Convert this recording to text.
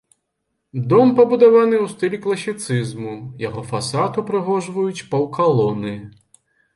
Дом пабудаваны ў стылі класіцызму, яго фасад упрыгожваюць паўкалоны.